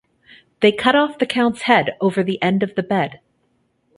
They cut off the count's head over the end of the bed.